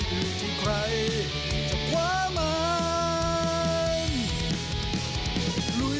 ถึงที่ใครจะพว้ามัน